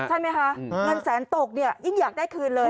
ใช่ไหมคะเงินแสนตกเนี่ยยิ่งอยากได้คืนเลย